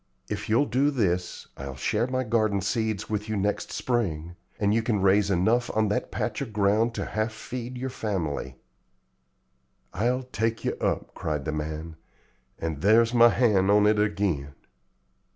If you'll do this, I'll share my garden seeds with you next spring, and you can raise enough on that patch of ground to half feed your family." "I'll take yer up," cried the man, "and there's my hand on it ag'in."